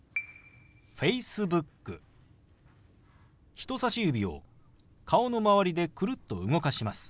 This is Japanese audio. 人さし指を顔の周りでくるっと動かします。